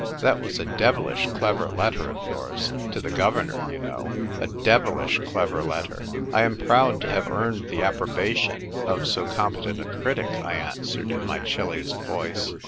" That was a devilish clever letter of yours — to the governor, you know — a devilish clever letter !"" I am proud to have earned the approba tion of so competent a critic," I answered in my chilliest voice.